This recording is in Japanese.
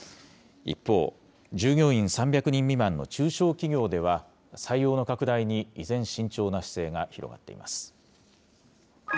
一方、従業員３００人未満の中小企業では、採用の拡大に依然慎重な姿勢が広がっています。